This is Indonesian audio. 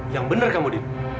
yang benar kamu din